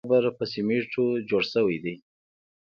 قبر په سمېټو جوړ شوی دی.